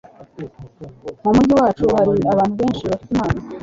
mu mujyi wacu hari abantu benshi bafite impano